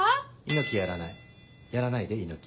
猪木やらないやらないで猪木。